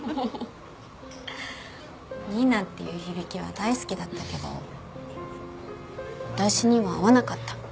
新名っていう響きは大好きだったけど私には合わなかった。